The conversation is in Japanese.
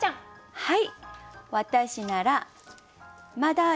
はい。